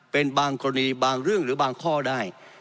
เป็นบางกรณีบางเรื่องหรือบางข้อได้